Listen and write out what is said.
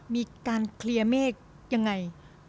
มีการเคลียร์เมฆยังไง